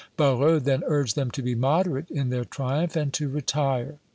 Barrot then urged them to be moderate in their triumph and to retire.